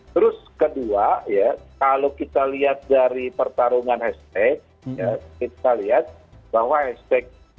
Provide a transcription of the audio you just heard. terus kedua ya kalau kita lihat dari pertarungan hashtag kita lihat bahwa hashtag